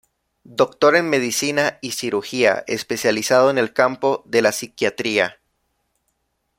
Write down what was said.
Doctor en Medicina y Cirugía, especializado en el campo de la psiquiatría.